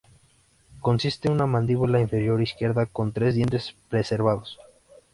Consiste en una mandíbula inferior izquierda con tres dientes preservados.